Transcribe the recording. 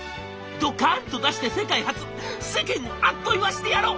ドカーンと出して世界初世間をあっと言わせてやろう！」。